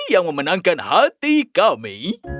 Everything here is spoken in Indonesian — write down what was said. yang memenangkan hati kami